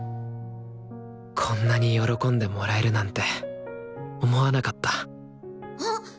こんなに喜んでもらえるなんて思わなかったあっ！